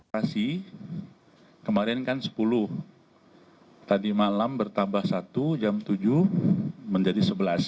masih kemarin kan sepuluh tadi malam bertambah satu jam tujuh menjadi sebelas